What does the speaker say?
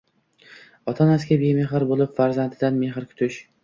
Ota-onasiga bemehr bo‘lib, farzandidan mehr kutish